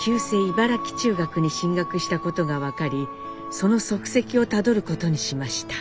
茨城中学に進学したことが分かりその足跡をたどることにしました。